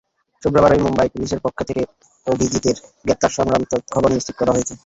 শুক্রবারই মুম্বাই পুলিশের পক্ষ থেকে অভিজিতের গ্রেপ্তারসংক্রান্ত খবর নিশ্চিত করা হয়েছে।